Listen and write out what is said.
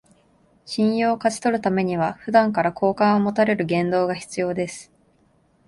信用を勝ち取るためには、普段から好感を持たれる言動が必要です